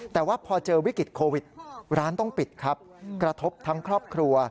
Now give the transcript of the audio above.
แต่ว่าพอเจอวิกฤตโควิดร้านต้องปิดครับกระทบทั้งครอบครัว